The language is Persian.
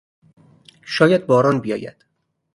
شاید باران بیاید.